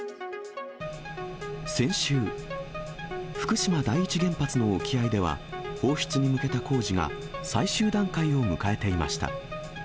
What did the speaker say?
先週、福島第一原発の沖合では、放出に向けた工事が、最終段階を迎えていました。